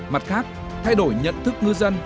mặt khác thay đổi nhận thức ngư dân